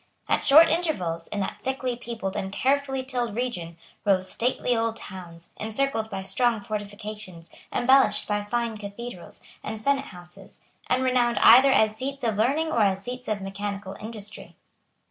At short intervals, in that thickly peopled and carefully tilled region, rose stately old towns, encircled by strong fortifications, embellished by fine cathedrals and senate houses, and renowned either as seats of learning or as seats of mechanical industry.